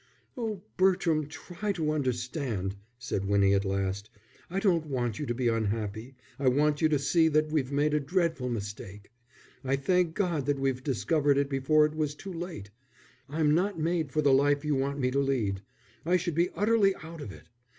"Oh, Bertram, try to understand," said Winnie, at last. "I don't want you to be unhappy, I want you to see that we've made a dreadful mistake. I thank God that we've discovered it before it was too late. I'm not made for the life you want me to lead. I should be utterly out of it.